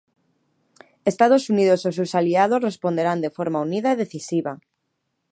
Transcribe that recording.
Estados Unidos e os seus aliados responderán de forma unida e decisiva.